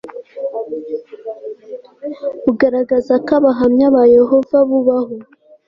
bugaragaza ko abahamya bayehova bubaho